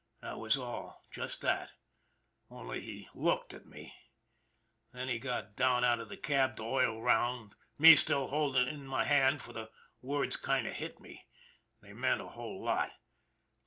That was all, just that only he looked at me. Then he got down out of the cab to oil round, me still holding it in my hand for the words kind of hit me they meant a whole lot.